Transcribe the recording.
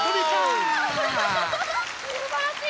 すばらしい。